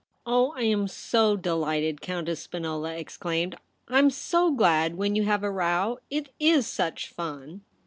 * Oh, 1 am so dehghted,' Countess Spinola exclaimed ;' Tm so glad when you have a row. It is such fun.'